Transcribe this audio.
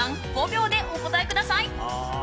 ５秒でお答えください。